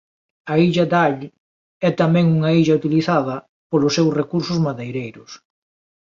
A illa Dall é tamén unha illa utilizada polos seus recursos madeireiros.